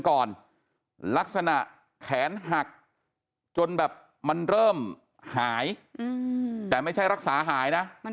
ก่อนลักษณะแขนหักจนแบบมันเริ่มหายแต่ไม่ใช่รักษาหายนะมัน